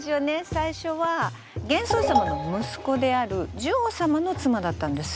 最初は玄宗様の息子である寿王様の妻だったんです。